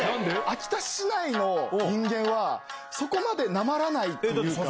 秋田市内の人間は、そこまでなまらないというか。